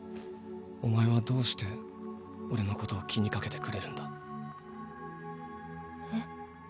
お前はどうしてオレのことを気にかけてくれるんだ？え？